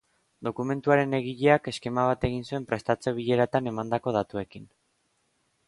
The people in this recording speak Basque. Dokumentuaren egileak eskema bat egin zuen prestatze bileretan emandako datuekin.